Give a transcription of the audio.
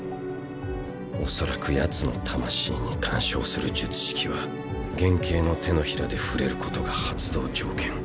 おそらくヤツの魂に干渉する術式は原型の手のひらで触れることが発動条件。